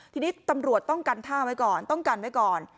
ทีนี้ตำรวจต้องกันท่าไว้ก่อนต้องกันไว้ก่อน